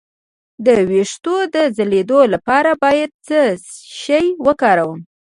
د ویښتو د ځلیدو لپاره باید څه شی وکاروم؟